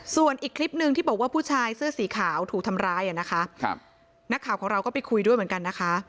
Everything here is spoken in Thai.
ส่วนอีกคลิปหนึ่งที่บอกว่าผู้ชายเสื้อสีขาวถูกทำร้ายอ่ะนะคะครับนักข่าวของเราก็ไปคุยด้วยเหมือนกันนะคะ